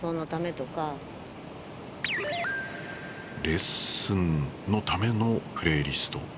レッスンのためのプレイリスト。